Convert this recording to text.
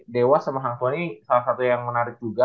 dewa sama hangso ini salah satu yang menarik juga